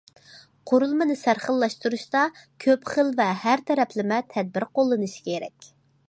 قۇرۇلمىنى سەرخىللاشتۇرۇشتا كۆپ خىل ۋە ھەر تەرەپلىمە تەدبىر قوللىنىش كېرەك.